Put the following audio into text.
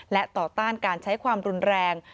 และต่อต้านการใช้ความรุนแรง